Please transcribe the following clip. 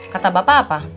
kata bapak apa